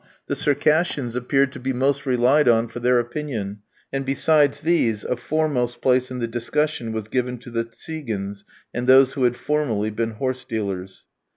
The Circassians appeared to be most relied on for their opinion, and besides these a foremost place in the discussion was given to the Tsigans, and those who had formerly been horse dealers.